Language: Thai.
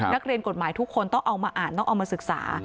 นักเรียนกฎหมายทุกคนต้องเอามาอ่านต้องเอามาศึกษา